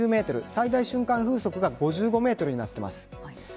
最大瞬間風速が５５メートルになっています。